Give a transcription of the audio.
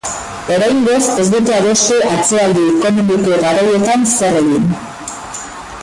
Oraingoz ez dute adostu atzeraldi ekonomiko garaietan zer egin.